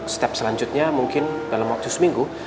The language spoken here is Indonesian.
step selanjutnya mungkin dalam waktu seminggu